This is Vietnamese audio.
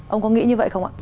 ông có nghĩ như vậy không ạ